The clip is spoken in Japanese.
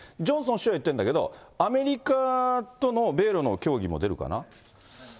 ジョンソン首相は言ってるんだけれども、アメリカとの米ロの協議も出るかな。